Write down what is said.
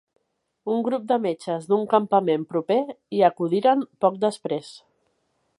Un grup de metges d'un campament proper hi acudiren poc després.